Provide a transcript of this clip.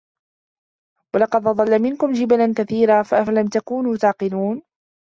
وَلَقَد أَضَلَّ مِنكُم جِبِلًّا كَثيرًا أَفَلَم تَكونوا تَعقِلونَ